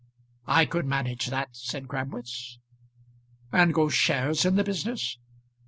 "I could manage that," said Crabwitz. "And go shares in the business?"